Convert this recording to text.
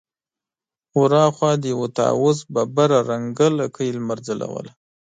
ور هاخوا د يوه طاوس ببره رنګه لکۍ لمر ځلوله.